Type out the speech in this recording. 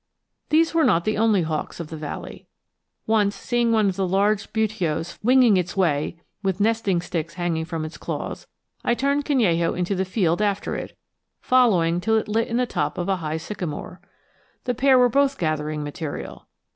These were not the only hawks of the valley. Once, seeing one of the large Buteos winging its way with nesting sticks hanging from its claws, I turned Canello into the field after it, following till it lit in the top of a high sycamore. The pair were both gathering material.